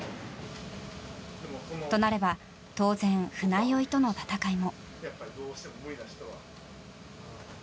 となれば、当然船酔いとの闘いも。